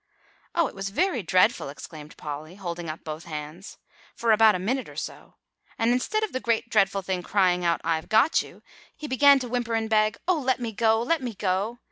"Oh, it was very dreadful!" exclaimed Polly, holding up both hands, "for about a minute or so. And instead of the great, dreadful thing crying out, 'I've got you!' he began to whimper and beg. 'Oh, let me go! let me go!